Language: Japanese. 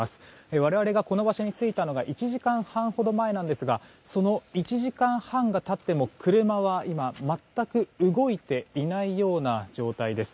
我々がこの場所に着いたのが１時間半ほど前なんですがその１時間半が経っても、車は全く動いていないような状態です。